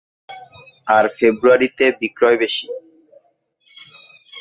আর ফেব্রুয়ারিতে বিক্রয় বেশি।